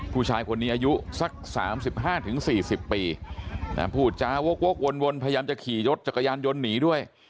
ผู้ชายคนนี้อายุสัก๓๕๔๐ปีผู้อุจจาวโว๊คโว๊ควนพยายามจะขี่ยดจักรยานยนต์หนีด้วย